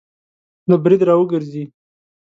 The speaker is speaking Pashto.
له برید را وګرځي